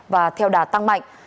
và theo đà tăng mạnh